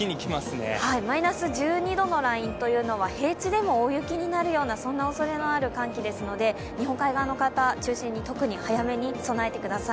マイナス１２度のラインというのは平地でも大雪になるようなそんなおそれのある寒気ですので日本海側の方中心に特に早めに備えてください。